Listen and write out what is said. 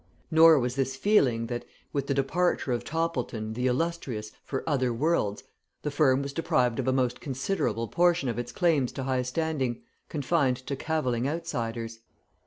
Nor was this feeling, that with the departure of Toppleton, the illustrious, for other worlds the firm was deprived of a most considerable portion of its claims to high standing, confined to cavilling outsiders.